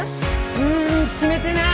うん決めてない！